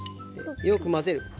よく混ぜる。